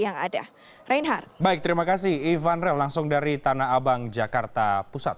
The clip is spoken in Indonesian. yang ada reinhard baik terima kasih ivanrel langsung dari tanah abang jakarta pusat